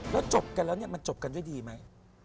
แล้วจบกันแล้วเนี่ยมันจบกันด้วยดีไหม